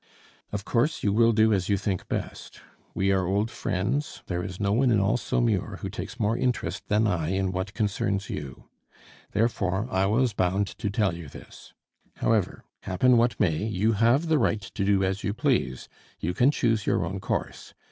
"Of course you will do as you think best. We are old friends; there is no one in all Saumur who takes more interest than I in what concerns you. Therefore, I was bound to tell you this. However, happen what may, you have the right to do as you please; you can choose your own course.